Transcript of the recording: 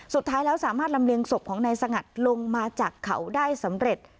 สุดท้ายแล้วสามารถลำเลียงศพของนายสงัดลงมาจากเขาได้สำเร็จ